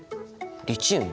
リチウム？